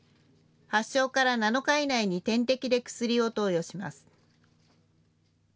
発症から７日以内に点滴で薬を投与します。